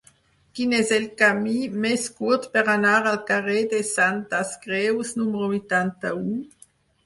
Quin és el camí més curt per anar al carrer de Santes Creus número vuitanta-u?